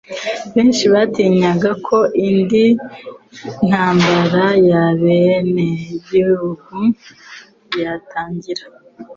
Benshi batinyaga ko indi ntambara y'abenegihugu yatangira.